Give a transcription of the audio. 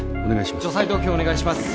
除細動器お願いします！